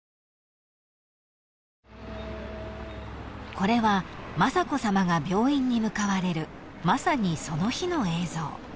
［これは雅子さまが病院に向かわれるまさにその日の映像］